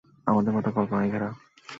আমাদের মাথা কল্পনায় ঘেরা।